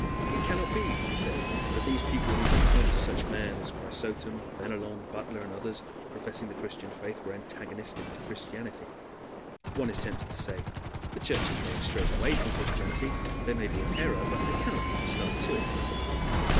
"It cannot be," one says, "that these people who can point to such men as Chrysostom, Fénelon, Butler, and others professing the Christian faith, were antagonistic to Christianity." One is tempted to say, "The churches may have strayed away from Christianity, they may be in error, but they cannot be hostile to it."